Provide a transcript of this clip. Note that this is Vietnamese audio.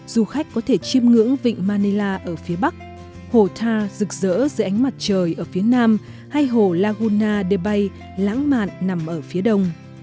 du khách có thể chiêm ngưỡng vịnh manila ở phía bắc hồ tha rực rỡ dưới ánh mặt trời ở phía nam hay hồ laguna de bay lãng mạn nằm ở phía đông